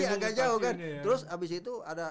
iya agak jauh kan terus abis itu ada